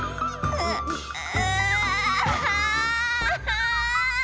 うう。